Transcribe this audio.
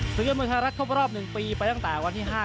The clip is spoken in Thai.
ศึกยอดมวยไทยรัฐครบรอบ๑ปีไปตั้งแต่วันที่๕